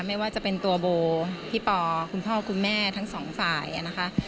ไม่ว่าจะเป็นตัวโบพี่ปอคุณพ่อคุณแม่ทั้งสองฝ่ายนะคะ